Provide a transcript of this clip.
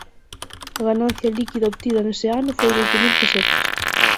A ganancia líquida obtida nese ano foi de oito mil pesetas.